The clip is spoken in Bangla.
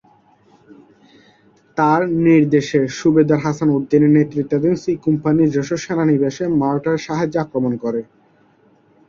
তার নির্দেশে সুবেদার হাসান উদ্দিনের নেতৃত্বাধীন ‘সি’ কোম্পানি যশোর সেনানিবাসে মর্টারের সাহায্যে আক্রমণ করে।